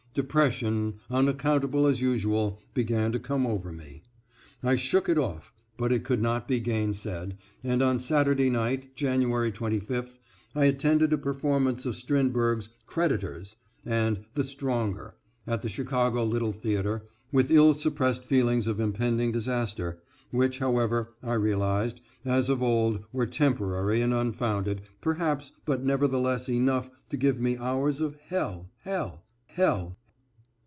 Depression, unaccountable as usual, began to come over me. I shook it off, but it could not be gainsaid, and on Saturday night, January 25th, I attended a performance of Strindberg's "Creditors" and "The Stronger" at the Chicago Little Theatre, with ill suppressed feelings of impending disaster, which, however, I realized, as of old, were temporary and unfounded, perhaps, but nevertheless enough to give me hours of hell, hell, hell.